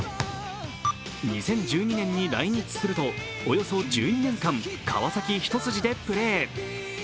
２０１２年に来日すると、およそ１２年間川崎一筋でプレー。